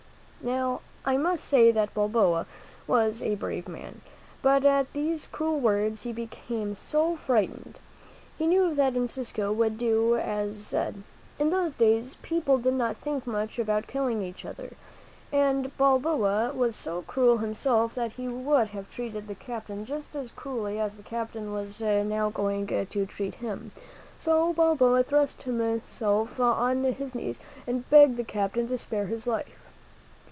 Now, I must say that Balboa was a brave man, but at these cruel words he became very fright ened. He knew that Encisco would do as he said. In those days people did not think much about killing each other, and Balboa was so cruel himself that he would have treated the captain just as cruelly as the captain was now going to treat him; so Balboa threw himself on his knees and begged the captain to spare his life.